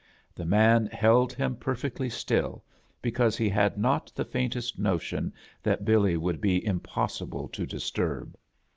The man held him perfectly still, because , he tiad not tfie faintest notion that Billy would be impossible to disturb.